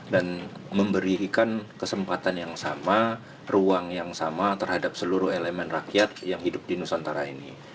dan memberikan kesempatan yang sama ruang yang sama terhadap seluruh elemen rakyat yang hidup di nusantara ini